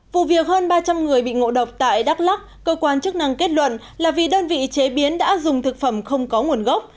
vụ việc hơn ba trăm linh người bị ngộ độc tại đắk lắc cơ quan chức năng kết luận là vì đơn vị chế biến đã dùng thực phẩm không có nguồn gốc